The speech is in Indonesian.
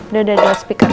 daudah dia lot speaker